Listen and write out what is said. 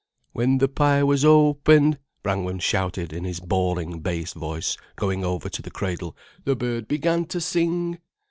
"When the pie was opened," Brangwen shouted in his bawling bass voice, going over to the cradle, "the bird began to sing."